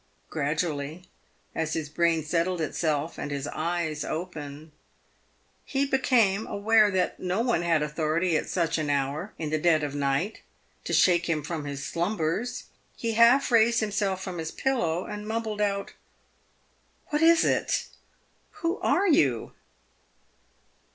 Gradually, as his brain settled itself and his eyes opened, he became aware that no one had authority at such an hour, in the dead of night, to shake him from his slumbers. He half raised himself from his pillow, and mumbled out, " "What is it ? "Who are you